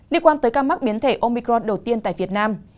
điều quan tới các mắc biến thể omicron đầu tiên tại việt nam